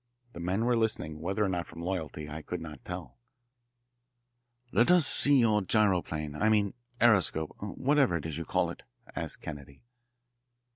The men were listening, whether or not from loyalty I could not tell. "Let us see your gyroplane, I mean aeroscope whatever it is you call it," asked Kennedy.